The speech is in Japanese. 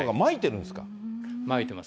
まいてます。